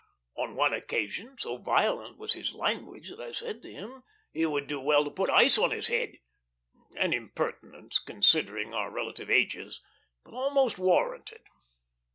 On one occasion, so violent was his language that I said to him he would do well to put ice to his head; an impertinence, considering our relative ages, but almost warranted.